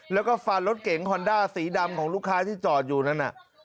แล้วก็ฟันรถเก๋งฮอนด้าสีดำของลูกค้าที่จอดอยู่นั่นน่ะ